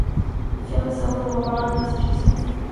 The family settled in Waban, Massachusetts.